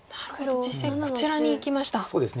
実戦こちらにいきました。